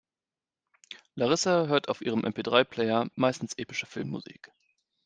Larissa hört auf ihrem MP-drei-Player meistens epische Filmmusik.